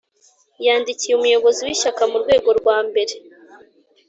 yandikiye umuyobozi w Ishyaka mu rwego rwambere